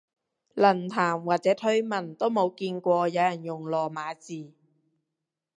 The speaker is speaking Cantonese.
論壇或者推文都冇見過有人用羅馬字